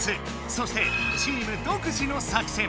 そしてチーム独自の作戦。